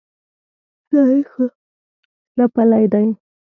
تاریخ ورباندې تپلی دی.